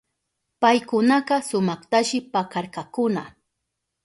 Paykunaka sumaktashi pakarkakuna.